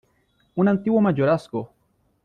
¡ un antiguo mayorazgo !